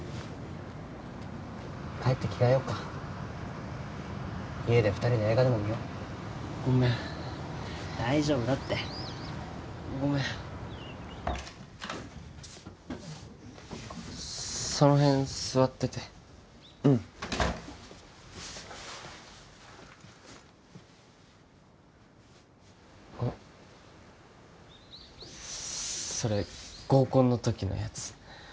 帰って着替えよっか家で二人で映画でも見ようごめん大丈夫だってごめんその辺座っててうんあっそれ合コンのときのやつ